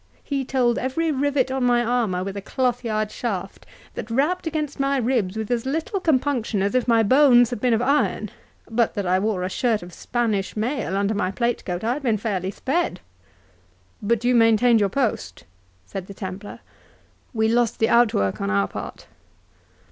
He told every rivet on my armour with a cloth yard shaft, that rapped against my ribs with as little compunction as if my bones had been of iron—But that I wore a shirt of Spanish mail under my plate coat, I had been fairly sped." "But you maintained your post?" said the Templar. "We lost the outwork on our part."